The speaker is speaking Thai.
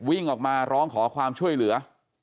วิ่งออกมาร้องขอความช่วยเหลือ